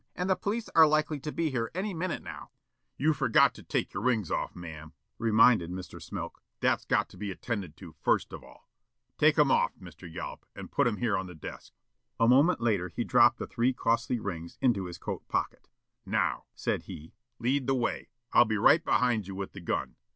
And the police are likely to be here any minute now." "You forgot to take your rings off, ma'am," reminded Mr. Smilk. "That's got to be attended to, first of all. Take 'em off, Mr. Yollop, and put 'em here on the desk." A moment later he dropped the three costly rings into his coat pocket. "Now," said he, "lead the way. I'll be right behind you with the gun.